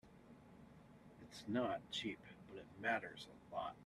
It's not cheap, but it matters a lot.